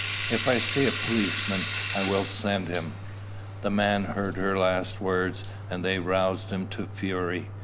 If I see a policeman, I will send him." The man heard her last words, and they roused him to fury.